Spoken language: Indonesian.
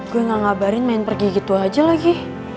gue gak ngabarin main pergi gitu aja lagi